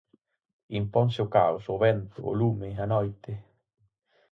Imponse o caos, o vento, o lume, a noite.